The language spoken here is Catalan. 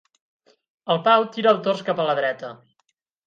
El Pau tira el tors cap a la dreta.